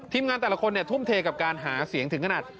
งานแต่ละคนทุ่มเทกับการหาเสียงถึงขนาด